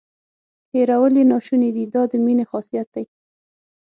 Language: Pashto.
هیرول یې ناشونې دي دا د مینې خاصیت دی.